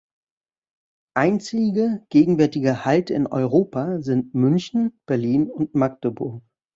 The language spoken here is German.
Einzige gegenwärtige Halte in Europa sind München, Berlin und Magdeburg.